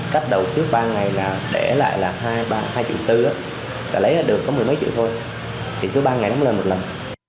cách đầu trước ba ngày là để lại là hai triệu tư đã lấy được có mười mấy triệu thôi thì cứ ba ngày đó mới lên một lần